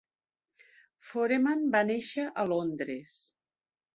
Foreman va néixer a Londres.